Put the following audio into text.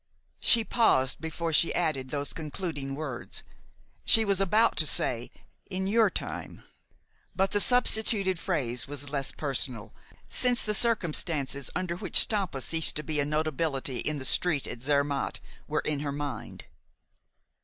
She paused before she added those concluding words. She was about to say "in your time," but the substituted phrase was less personal, since the circumstances under which Stampa ceased to be a notability in "the street" at Zermatt were in her mind.